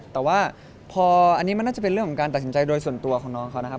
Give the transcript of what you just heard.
แต่ว่าพออันนี้มันน่าจะเป็นเรื่องของการตัดสินใจโดยส่วนตัวของน้องเขานะครับ